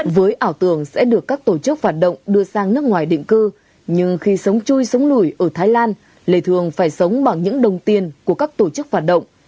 với ảo tưởng sẽ được các tổ chức phản động đưa sang nước ngoài định cư nhưng khi sống chui sống lùi ở thái lan lê thương phải sống bằng những đồng tiền của các tổ chức phản động